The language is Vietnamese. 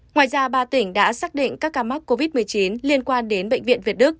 ngoài ra ba tỉnh đã xác định các ca mắc covid một mươi chín liên quan đến bệnh viện việt đức